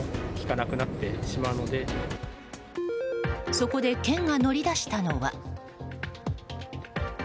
そこで県が乗り出したのは。